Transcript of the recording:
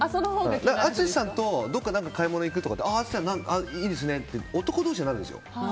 淳さんとどこか買い物行くとかなら淳さんいいですねって男同士はなるんですよ。